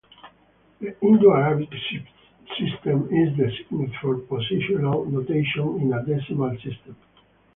The Hindu-Arabic system is designed for positional notation in a decimal system.